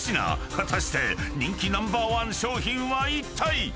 ［果たして人気ナンバーワン商品はいったい⁉］